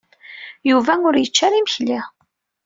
Yuba ur yečči ara imekli.